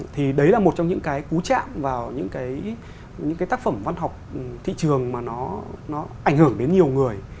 thì đấy là một trong những cái cú chạm vào những cái tác phẩm văn học thị trường mà nó ảnh hưởng đến nhiều người